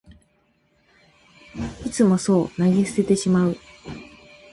いつもそう投げ捨ててしまう